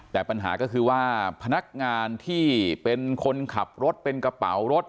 แต่ปัญหาก็คือว่าพนักงานที่เป็นคนขับรถเป็นกระเป๋ารถ